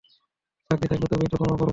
চাকরি থাকলে তবেই তো ক্ষমা করবো।